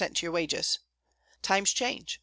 to your wages.' Times change.